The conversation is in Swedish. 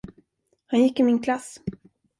Han gick i min klass.